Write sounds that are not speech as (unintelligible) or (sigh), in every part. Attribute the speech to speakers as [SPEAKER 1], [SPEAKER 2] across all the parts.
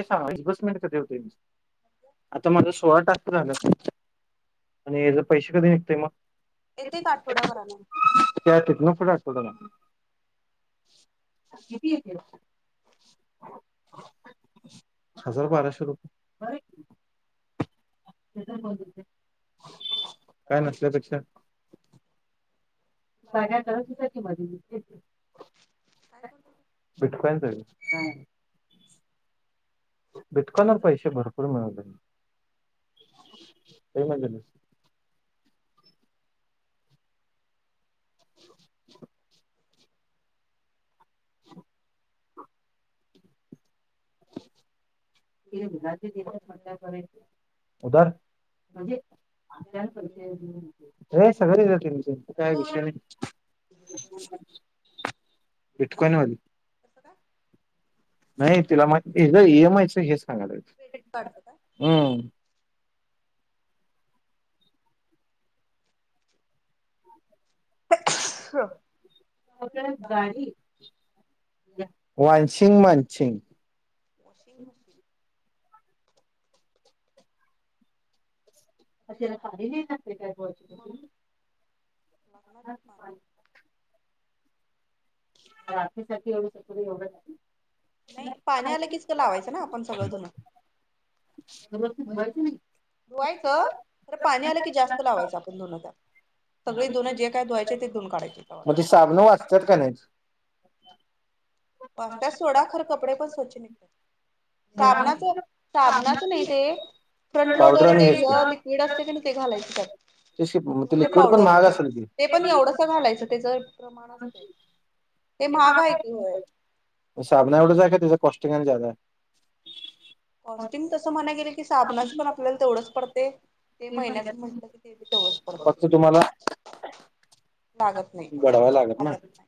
[SPEAKER 1] सांग (unintelligible) कधी होते आता माझा सोळा टास्क झालेत. आणि याचे पैसे कधी निघतय मग?
[SPEAKER 2] येते का आठवड्या भराण?
[SPEAKER 1] त्या (unintelligible) (inaudible) हजार बाराशे रुपये. काय नसल्यापेक्षा. (unintelligible) करच (unintelligible) की मधी
[SPEAKER 2] काय करतो
[SPEAKER 1] भीटकवायच. (unintelligible) पैसे भरपूर मिळवले काही म (unintelligible) (inaudible) (unintelligible) उधर म्हणजे (unintelligible) काय
[SPEAKER 2] कोण
[SPEAKER 1] विषय नाही. भिटकु हाय ना,
[SPEAKER 2] कसं काय
[SPEAKER 1] नाही तिला म ज एम आयचं हे सांगालोय.
[SPEAKER 2] काढतो काय?
[SPEAKER 1] हम्म
[SPEAKER 2] (inaudible)
[SPEAKER 1] वानसिंग, मानसिंग
[SPEAKER 2] वाॉशिंग मशीन
[SPEAKER 1] पण त्याला पाणी लय लागतय काय? वाॅशिंग
[SPEAKER 2] मग
[SPEAKER 1] मशिन
[SPEAKER 2] लागणार कि पाणी,
[SPEAKER 1] (unintelligible)
[SPEAKER 2] नाही, पाणी आलं कीच लावायचं ना, आपण सगळं धुणं,
[SPEAKER 1] तवर तर
[SPEAKER 2] धुवायचं खरं पाणी आलं की, जास्त लावायचं आपण धुण त्यात सगळी धुण जे काय धुवायचे ते धुऊन काढायचे तवा,
[SPEAKER 1] त्यात काय आणायच.
[SPEAKER 2] वाजतीया सोडा खर कपडे पण स्वच्छ निघतात. साबणाच साबणाच नाही ते, फ्रंट
[SPEAKER 1] पावडर
[SPEAKER 2] लोडर
[SPEAKER 1] आणि
[SPEAKER 2] ते ह
[SPEAKER 1] हेच
[SPEAKER 2] लिक्विड असतय की, ते घालायचे त्यात,
[SPEAKER 1] तेच की मग
[SPEAKER 2] किंवा ते
[SPEAKER 1] लिक्विड पण
[SPEAKER 2] पावडर
[SPEAKER 1] महाग असेल की
[SPEAKER 2] ते पण एवढंस घालायचं तेच प्रमाण असतय. हे महागा आहे कि व्हय,
[SPEAKER 1] साबणा एवढाच आहे का त्याच कॉस्टिंग आणि जादा हाय,
[SPEAKER 2] कॉस्ट्यूगिं तसं म्हणाय गेले की, साबणाची पण
[SPEAKER 1] आहे
[SPEAKER 2] आपल्याला तेवढंच पडतय. ते महिन्याच म्हटलं की, तेवढच
[SPEAKER 1] फक्त
[SPEAKER 2] पडतय.
[SPEAKER 1] तुम्हाला
[SPEAKER 2] लागत नाही.
[SPEAKER 1] बढवायला ना
[SPEAKER 2] लागत नाही.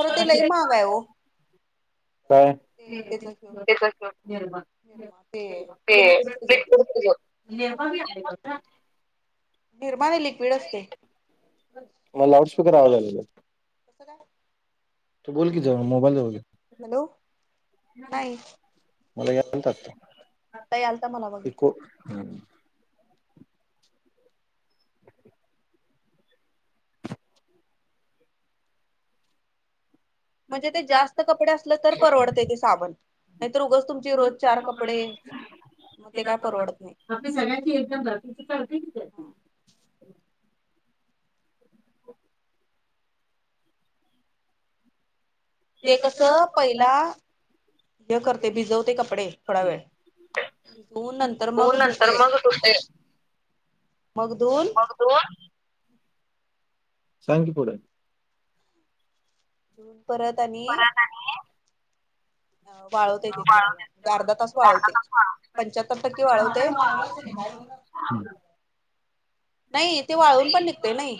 [SPEAKER 2] खर ते लई महाग हाय ओ,
[SPEAKER 1] काय
[SPEAKER 2] त्याच
[SPEAKER 1] (unintelligible) निरमा
[SPEAKER 2] ते
[SPEAKER 1] आहे.
[SPEAKER 2] लिक्विड त्याच
[SPEAKER 1] न्हवका,
[SPEAKER 2] निरमा नाही लिक्विड असते
[SPEAKER 1] म लाऊडस्पीकर आवाज अल्यागत.
[SPEAKER 2] कसं काय?
[SPEAKER 1] तू बोल कि, जवळ मोबाईल जवळ घे,
[SPEAKER 2] हॅलो नाही आता यालता मला बघितलं
[SPEAKER 1] (unintelligible)
[SPEAKER 2] म्हणजे ते जास्त कपडे असलं तर परवडतय. ते साबन नाही तर उगच तुमची रोज चार कपडे मग ते काय परवडत नाही.
[SPEAKER 1] सगळची एकदम घाल. हिची पावती किती असतीया?
[SPEAKER 2] ते कस पहिला हे करते भिजवते कपडे थोडा वेळ, धून नंतर
[SPEAKER 1] तू
[SPEAKER 2] मग
[SPEAKER 1] नंतर
[SPEAKER 2] धुतय.
[SPEAKER 1] मग तू ते
[SPEAKER 2] मग धुन
[SPEAKER 1] धुऊन सांग की पुढं.
[SPEAKER 2] परत आणि
[SPEAKER 1] परत आणि
[SPEAKER 2] वाळवतय ते थोडा वेळ
[SPEAKER 1] वाळून
[SPEAKER 2] म्हणजे अर्धा तास वाळवतय.
[SPEAKER 1] झाडातच
[SPEAKER 2] पंच्याहत्तर टक्के वाढवते
[SPEAKER 1] वाळून
[SPEAKER 2] नाही ते वाळवून पण निघतोय नाही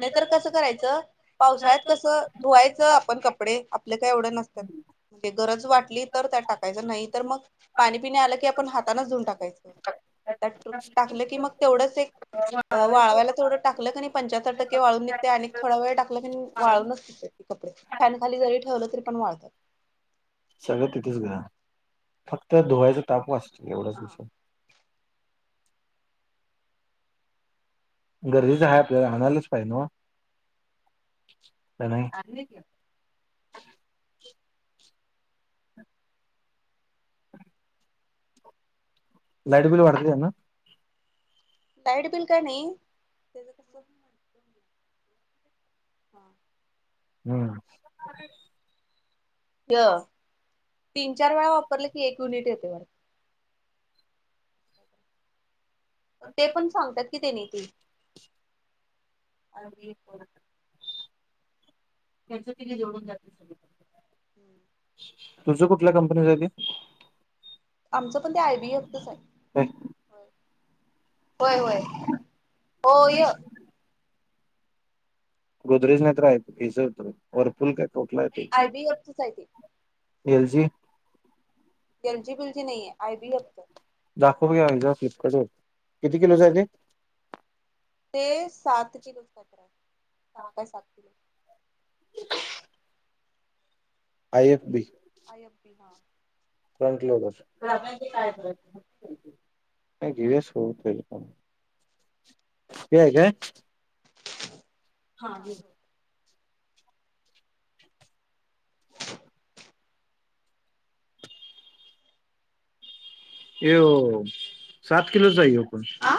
[SPEAKER 2] नाहीतर कसं करायचं पावसाळ्यात कसं धुवायचं आपण कपडे आपल काय एवढं नसतात म्हणजे गरज वाटली तर त्यात टाकायचं नाही तर मग पाणी पिणी आलं की आपण हाताने धऊन टाकायचं त्या टाकलं की मग तेवढंच एक अ वाळवायला थोडं टाकलं की पंच्याहत्रटक्के वाळून निघते आणि थोडा वेळ टाकलं की वाळूनच निघतय कपडे फॅनखाली जरी ठेवलं तरी पण वाळतात
[SPEAKER 1] सगळं तिथेच घरा फक्त धुवयच ताप वाचतोय एवढंच
[SPEAKER 2] हा
[SPEAKER 1] दिसून गरजेचं हाय आपल्याला आणायलाच पाहिजे नव काय नाही आणलय की लाईट बिल वाढतय त्यान
[SPEAKER 2] डाईट बिल काय नाही तेज कस हा
[SPEAKER 1] हम्म
[SPEAKER 2] य तीन चार वेळा वापरल की एक युनिट येतय वाढत पन ते पण सांगतात कि तेनी ती आय वि एफ वाली
[SPEAKER 1] (inaudible) तुझ कुठल्या कंपनीच हाय ते
[SPEAKER 2] आमचं पण ते आय बी एफ च हाय होय होय होय
[SPEAKER 1] गोदरेज नाही तर हेज होत बघ वरफुल काय कुठल हाय ते
[SPEAKER 2] आयबीएफचच आहे ते
[SPEAKER 1] L G
[SPEAKER 2] L G bill जी नाहीये आय बी एफ होत
[SPEAKER 1] दाखव बघुया फ्लिपकार्ट किती किलोचय ते
[SPEAKER 2] ते सात किलोच काय तर हाय सहा काय सात kilo
[SPEAKER 1] I F B
[SPEAKER 2] I F बी हा
[SPEAKER 1] (unintelligible) (unintelligible) ते काय हा (inaudible) त्यो सात किलोचा हाय ह्यो पण आ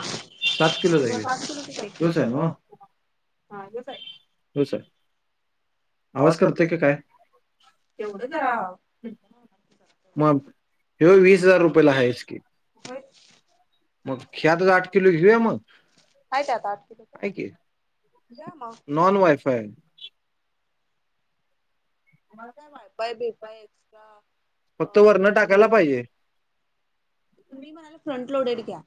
[SPEAKER 1] सात किलो
[SPEAKER 2] मग
[SPEAKER 1] हाय
[SPEAKER 2] सात
[SPEAKER 1] की
[SPEAKER 2] किलोचच आहे
[SPEAKER 1] ह्योच हाय नव हा
[SPEAKER 2] की.
[SPEAKER 1] ह्योच हाय आवाज कट तोय का काय तेवढं जरा हम मग हयो वीस हजार रुपयला आहेच कि
[SPEAKER 2] होयच
[SPEAKER 1] मग ह्यातल आठ किलो घेऊया मग
[SPEAKER 2] आहे ते आता आठ किलोच
[SPEAKER 1] हाय की
[SPEAKER 2] घ्या मग
[SPEAKER 1] नॉन वायफाय
[SPEAKER 2] मला काय वायफाय बीफाय एक्स्ट्रा
[SPEAKER 1] फक्त वरनं टाकायला
[SPEAKER 2] (inaudible)
[SPEAKER 1] पाहिजे
[SPEAKER 2] तुम्ही म्हणाला फ्रंट लोडेड घ्या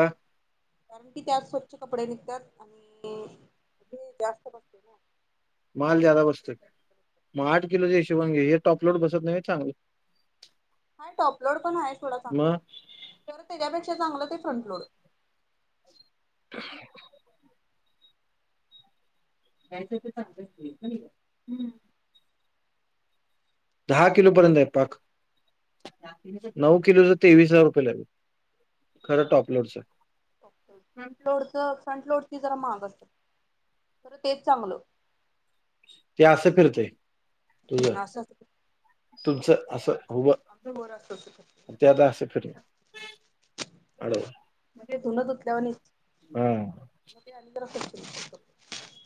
[SPEAKER 2] का कारण की त्यात स्वच्छ कपडे निघतात आणि हे जास्त बसतय ना
[SPEAKER 1] माल ज्यादा बसतोय मग आठ किलोच्या हिशोबान घे हे टॉपलोट बसत नाही चांगलं
[SPEAKER 2] हा टॉपलोड पण आहे थोडं चांगलं
[SPEAKER 1] मग
[SPEAKER 2] खरं त्याच्यापेक्षा चांगलं ते फ्रंट लोड
[SPEAKER 1] यायचं तर चांगच नाही दहा किलो पर्यंत आहे पाक नऊ किलोच तेवीस हजार रुपये ला हाय खरं टॉपलोडच.
[SPEAKER 2] फ्रंट लोडच फ्रंट लोडची जरा महाग असते, तर तेच चांगलं.
[SPEAKER 1] ते असं फिरतय तुझ.
[SPEAKER 2] असं असत
[SPEAKER 1] तुमचं असं, हवं
[SPEAKER 2] आमचं वर असत असं
[SPEAKER 1] ते आता असं फिरतय. हॅलो.
[SPEAKER 2] मग ते
[SPEAKER 1] हा.
[SPEAKER 2] म ते अंदर (unintelligible)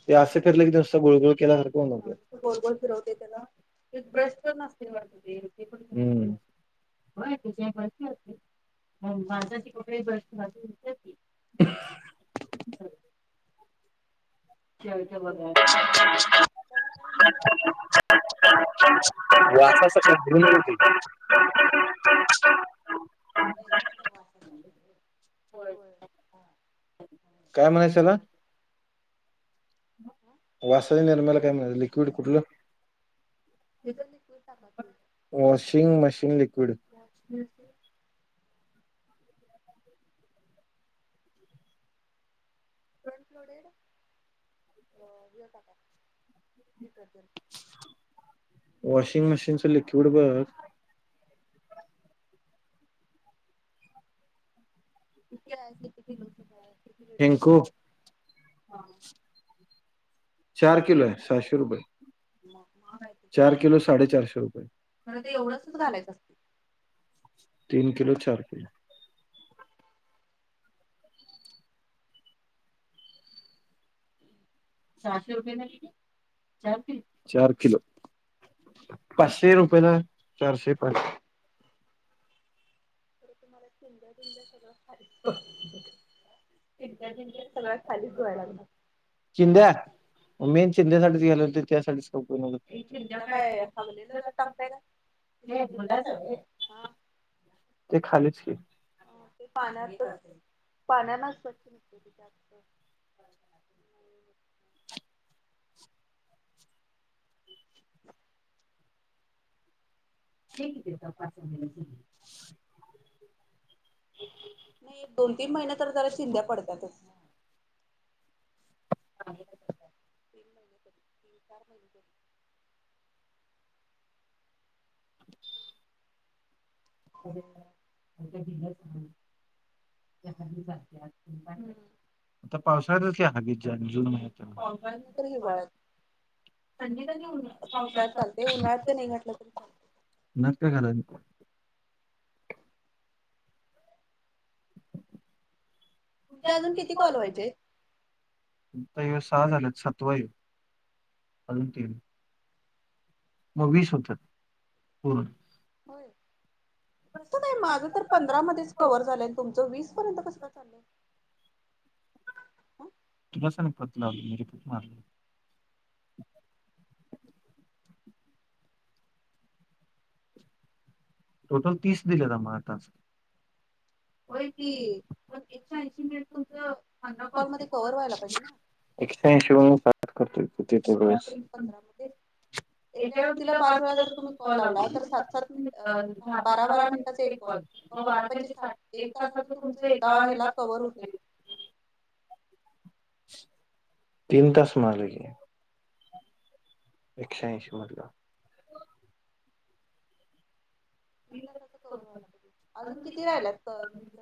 [SPEAKER 1] ते असे फिरले की, जास्त गोळ गळ केला.
[SPEAKER 2] हा गोल-गोल फिरवते, त्याला ब्रश प नसते वाटत ते. पण घ्या
[SPEAKER 1] होय त्या बसते, माणसाची कपडे बसते. ह (unintelligible) केव के बघा (unintelligible) वा (unintelligible) काय म्हणायचं त्याला
[SPEAKER 2] (unintelligible) हा
[SPEAKER 1] वासाच्या निर्म्याला काय म्हनतात, लिक्विड कुठलं.
[SPEAKER 2] त्याचं लिक्विड टाका की
[SPEAKER 1] washing machine liquid.
[SPEAKER 2] Washing machine त्यात थोडे हे टाकायचं डिस्टर्जन.
[SPEAKER 1] वॉशिंग मशीनचं लिक्विड बघ.
[SPEAKER 2] किती आहे किती किलो आहे, किती लिटर
[SPEAKER 1] हेंको
[SPEAKER 2] आहे हा.
[SPEAKER 1] चार किलो आहे, सहाशे रुपये.
[SPEAKER 2] मग महाग आहे ते
[SPEAKER 1] चार किलो साडेचारशे
[SPEAKER 2] खरं
[SPEAKER 1] रुपये,
[SPEAKER 2] ते
[SPEAKER 1] एवढ.
[SPEAKER 2] एवढंसच घालायचं असते
[SPEAKER 1] तीन किलो, चार किलो. सहाशे रुपये, चार किलो. पाचशे रुपये ना, चारशे पान.
[SPEAKER 2] (unintelligible) चिंट्या-पिंड्या सगळ्या खालीच (inaudible)
[SPEAKER 1] चिंध्या मेन चिंदेसाठीच गेले होते त्यासाठीच (inaudible)
[SPEAKER 2] चिंध्या काय, हगलेलं त्यात टाकताय काय.
[SPEAKER 1] ते खालीच की.
[SPEAKER 2] ते पाण्यात पाण्यान स्वच्छ.
[SPEAKER 1] (unintelligible)
[SPEAKER 2] नाही एक-दोन-तीन महिने तर, त्या चिंद्या पडतातच. तीन
[SPEAKER 1] ह (unintelligible)
[SPEAKER 2] तीन महिने, तीन-चार महिने.
[SPEAKER 1] (unintelligible) जी
[SPEAKER 2] हम्म
[SPEAKER 1] ब (unintelligible) आता पावसाळ्यातच हगीज, जून
[SPEAKER 2] हम्म
[SPEAKER 1] महिन्यात.
[SPEAKER 2] पावसाळ्यात नाही तर हिवाळ्यात थंडीत आणि उन्हाळ्यात पावसाळ्यात चालते उन्हाळ्यात नाही घातलं तरी चालते
[SPEAKER 1] नक् काला (unintelligible)
[SPEAKER 2] ते अजून किती कॉल व्हायचे.
[SPEAKER 1] ताई हे सहा झालेत सातव आहे, अजून तीन मग वीस होत पूर्ण.
[SPEAKER 2] होय. कसं काय, माझं तर पंधरामध्येच कव्हर झालंय, तुमचं वीस पर्यंत कस का चाललंय. हं
[SPEAKER 1] (unintelligible) टोटल तीस दिलेत आम्हाला आता. होय की, पण एकशे ऐंशी मिनिट तुमच, पंधरा कॉल मध्ये
[SPEAKER 2] तरी पंधरा मध्ये एका व्यक्तीला पाच वेळा जर तुम्ही कॉल लावला तर सात सात मिनिट
[SPEAKER 1] (unintelligible) (unintelligible) बारा
[SPEAKER 2] बारा बारा मिनिटाचा
[SPEAKER 1] वाजल्यापासून एक
[SPEAKER 2] कॉल मग
[SPEAKER 1] वाजेपर्यंत बारा पंचे साठ एक
[SPEAKER 2] तासाच
[SPEAKER 1] तासाचा
[SPEAKER 2] तुमचं
[SPEAKER 1] तुमचा आहे का
[SPEAKER 2] एका ह्याला कव्हर होतय
[SPEAKER 1] तीन तास माग घे. एकशेऐंशी मधल.
[SPEAKER 2] तीन तासाच कव्हवर व्हायला अजून किती राहिलात त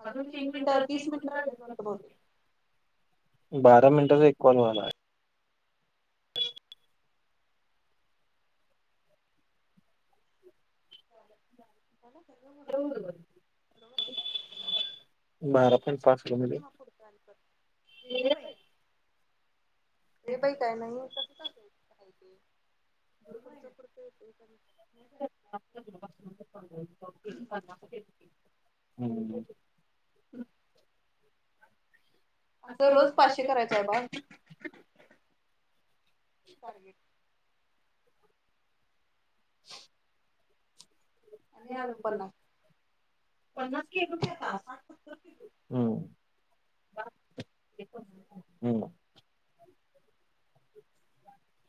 [SPEAKER 2] अजून तीन मिनट तीस मिनट राहिलेत वाटते बहुतेक
[SPEAKER 1] बारा मिनिटांचा एक कॉल व्हायलाय.
[SPEAKER 2] (unintelligible) बरोबर
[SPEAKER 1] बारा पण पाच गुनूले
[SPEAKER 2] हे बाई हे बाई काय नाही होउ शकत. बर तुमच्या पुरत येतंय का नाही.
[SPEAKER 1] (unintelligible)
[SPEAKER 2] (unintelligible) आमचं रोज पाचशे करायचा आहे बाळ. टारगेट.
[SPEAKER 1] (unintelligible)
[SPEAKER 2] आणि आलं बघ पन्नास
[SPEAKER 1] पन्नास चे एकूण आहेत टास्क हम्म (unintelligible) हम्म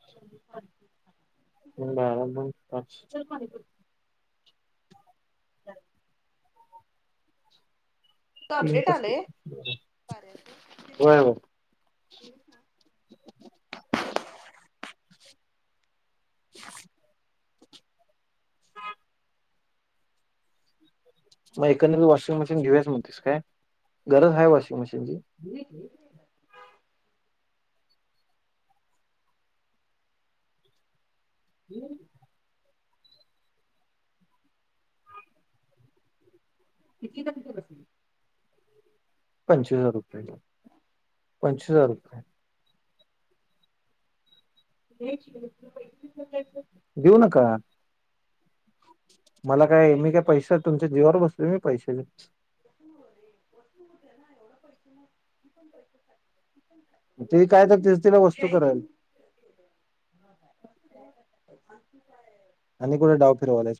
[SPEAKER 1] (unintelligible) झाल
[SPEAKER 2] तुज अपडेट आलंय. कार्याचं
[SPEAKER 1] होय होय मग एकंदरीत वॉशिंग मशीन घेऊयाच म्हणतीस काय गरज हाय वॉशिंग मशीनची. हम्म पंचवीस हजार रुपये. पंचवीस हजार देऊ नका. मला काय मी काय पैशासाठी तुमच्या जीवावर बसलो मी पैशाच
[SPEAKER 2] (unintelligible)
[SPEAKER 1] त्यांनी काय तर त्याचं तिला वस्तू करल.
[SPEAKER 2] (unintelligible)
[SPEAKER 1] आणि कुठ डाव फिरवलाईस.